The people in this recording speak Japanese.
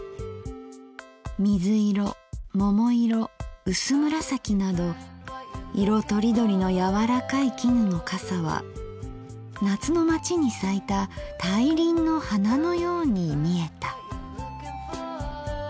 水色桃色うす紫など色とりどりの柔らかい絹の傘は夏の街に咲いた大輪の花のように見えた」。